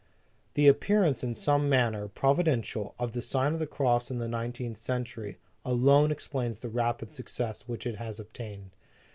The appearance, in some manner providen tial, of The Sign of the Cross in the Nineteenth Century, alone explains the rapid success which it has obtained.